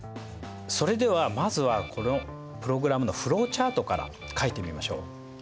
それではまずはこのプログラムのフローチャートから書いてみましょう。